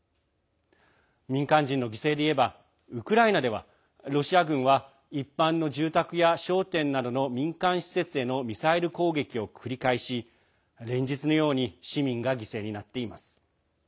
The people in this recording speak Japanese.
民間人の犠牲でいえばウクライナでは、ロシア軍は一般の住宅や商店などの民間施設へのミサイル攻撃を繰り返し連日のように市民が犠牲になっています。